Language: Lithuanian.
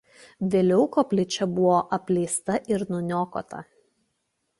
Vėliau koplyčia buvo apleista ir nuniokota.